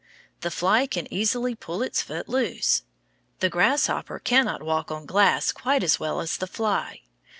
The fly can easily pull its foot loose. The grasshopper cannot walk on glass quite as well as the fly.